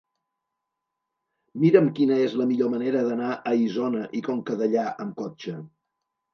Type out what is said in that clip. Mira'm quina és la millor manera d'anar a Isona i Conca Dellà amb cotxe.